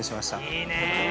いいねえ！